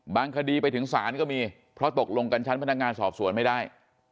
คดีไปถึงศาลก็มีเพราะตกลงกันชั้นพนักงานสอบสวนไม่ได้